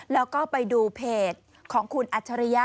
แล้วก็ไปดูเพจของคุณอัจฉริยะ